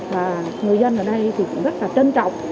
và người dân ở đây thì cũng rất là trân trọng